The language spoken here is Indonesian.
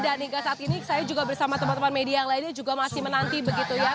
dan hingga saat ini saya juga bersama teman teman media yang lainnya juga masih menanti begitu ya